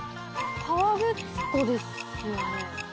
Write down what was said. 河口湖ですよね？